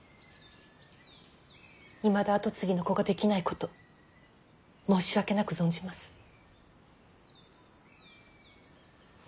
いまだ跡継ぎの子ができないこと申し訳なく存じます。